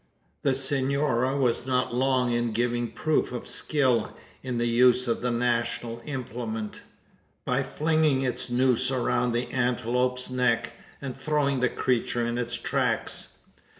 The senora was not long in giving proof of skill in the use of the national implement: by flinging its noose around the antelope's neck, and throwing the creature in its tracks!